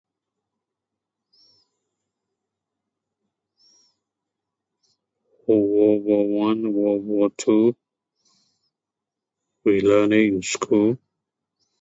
World War One, World War Two. We learn it in school.